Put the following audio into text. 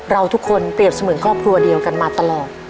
เราทุกคนเปรียบเสมือนครอบครัวเดียวกันมาตลอด